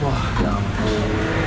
wah ya ampun